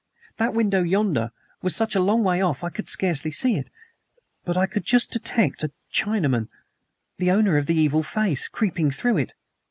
That window yonder was such a long way off I could scarcely see it, but I could just detect a Chinaman the owner of the evil yellow face creeping through it.